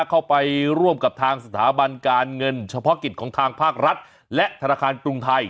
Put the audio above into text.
เข้าไปร่วมกับทางสถาบันการเงินเฉพาะกิจของทางภาครัฐและธนาคารกรุงไทย